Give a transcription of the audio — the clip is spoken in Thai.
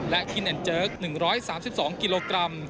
และคินันเจิก๑๓๒กิโลกรัม